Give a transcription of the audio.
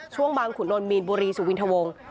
ช่วงบางขุนลมีนบุรีสูวินทวง